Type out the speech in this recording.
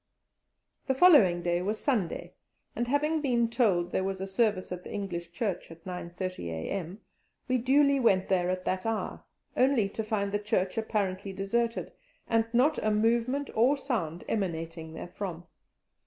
The following day was Sunday, and having been told there was a service at the English Church at 9.30 a.m., we duly went there at that hour, only to find the church apparently deserted, and not a movement or sound emanating therefrom.